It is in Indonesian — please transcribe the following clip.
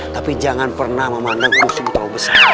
tapi jangan pernah memandang musuhmu kalau besar